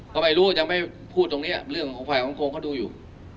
ก็ไม่รู้ยังไม่พูดตรงนี้เรื่องของฝ่ายของโกงเขาดูอยู่